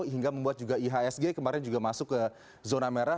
hingga membuat juga ihsg kemarin juga masuk ke zona merah